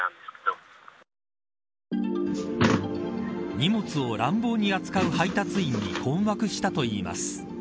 荷物を乱暴に扱う配達員に困惑したといいます。